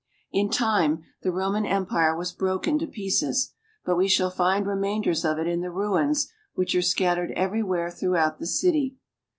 In time the Roman Empire was broken to pieces, but we shall find reminders of it in the ruins which are scat tered everywhere throughout the city.